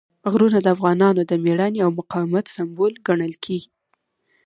غرونه د افغانانو د مېړانې او مقاومت سمبول ګڼل کېږي.